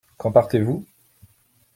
Quand partez-vous ?